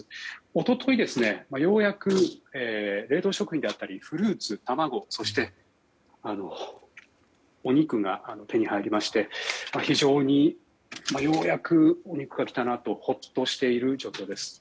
一昨日、ようやく冷凍食品であったり、フルーツ卵、そしてお肉が手に入りましてようやくお肉が来たなとほっとしている状況です。